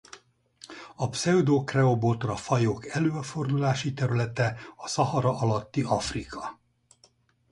A Pseudocreobotra-fajok előfordulási területe a Szahara alatti Afrika.